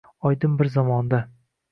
Oydin bir zamonda